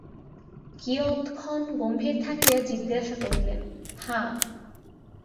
কিয়ৎক্ষণ গম্ভীরভাবে থাকিয়া জিজ্ঞাসা করিলেন, হাঁ।